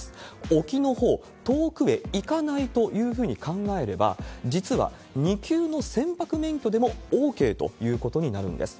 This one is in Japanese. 沖のほう、遠くへ行かないというふうに考えれば、実は２級の船舶免許でもＯＫということになるんです。